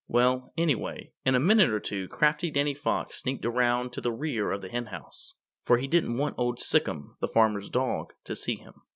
Well, anyway, in a minute or two crafty Danny Fox sneaked around to the rear of the Henhouse, for he didn't want Old Sic'em, the farmer's dog, to see him.